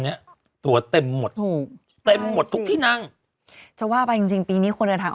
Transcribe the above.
เขาบอกญี่ปุ่นตัวไปยุโรป